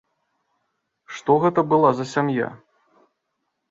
Што гэта была за сям'я?